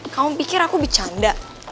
kamu pikir aku bercanda